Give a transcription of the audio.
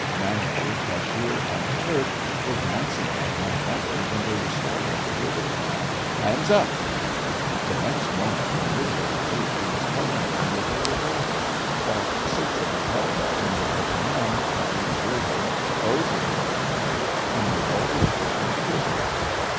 Manager, cashier and clerk were glancing at one another when they were startled to hear the command "Hands up!" The next moment the "little old lady" was covering them with her revolver, whilst six of the outlaws under her command entered the building, closed the door of the bank, and made all the officials prisoners.